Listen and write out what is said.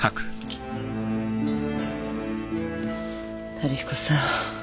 春彦さん。